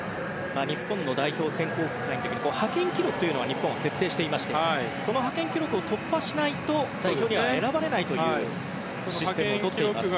日本の代表選考会では派遣記録というのを日本は設定していましてその派遣記録を突破しないと代表には選ばれないというシステムです。